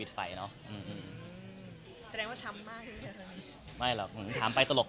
ไม่ได้เคยเจอว่าชำใช่มั้ยคะ